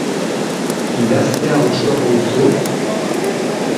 Idaztea gustuko duzu?